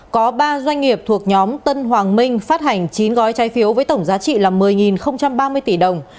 có ba doanh nghiệp thuộc nhóm tân hoàng minh phát hành chín gói trái phiếu với tổng giá trị là một mươi ba mươi tỷ đồng